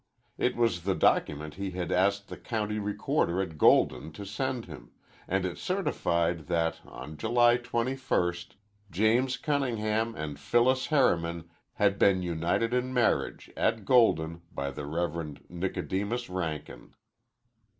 It was the document he had asked the county recorder at Golden to send him and it certified that, on July 21, James Cunningham and Phyllis Harriman had been united in marriage at Golden by the Reverend Nicodemus Rankin.